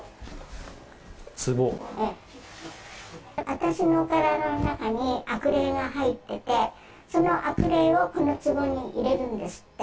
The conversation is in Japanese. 私の体の中に悪霊が入ってて、その悪霊をこのつぼに入れるんですって。